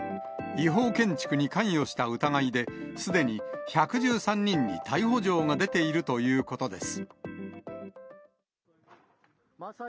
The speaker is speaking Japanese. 違法建築に関与した疑いで、すでに１１３人に逮捕状が出ているということです。